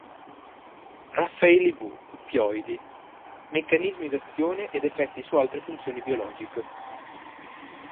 Raffaeli W Oppioidi: meccanismi d'azione ed effetti su altre funzioni biologiche.